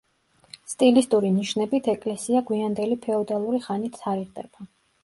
სტილისტური ნიშნებით ეკლესია გვიანდელი ფეოდალური ხანით თარიღდება.